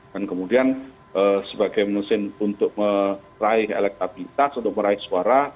dan kemudian sebagai musim untuk meraih elektabilitas untuk meraih suara